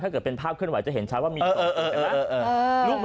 ถ้าเกิดเป็นภาพเคลื่อนไหว้จะเห็นชัสว่ามีของลูก